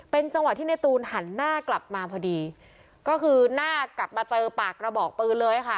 เป็นจังหวะที่ในตูนหันหน้ากลับมาพอดีก็คือหน้ากลับมาเจอปากกระบอกปืนเลยค่ะ